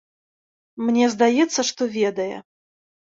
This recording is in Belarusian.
Мне здаецца, што ведае.